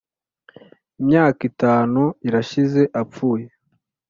Imyaka itanu irashize apfuye